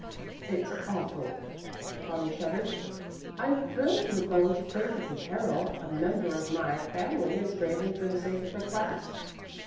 "It's awful," Bonnie shuddered. "I'm thrilled to the bone to think of the peril a member of my family is braving for the sake of her class."